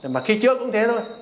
mà khi chữa cũng thế thôi